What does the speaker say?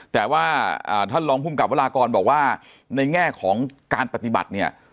แต่ว่าท่านรองภูมิกับวรากรบอกว่าในแง่ของการปฏิบัติเนี่ย